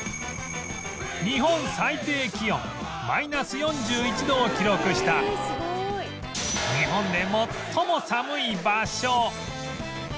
日本最低気温マイナス４１度を記録した日本で最も寒い場所